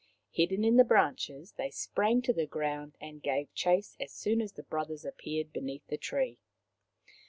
Hidden in the branches, they sprang to the ground and gave chase as soon as the brothers appeared beneath the tree.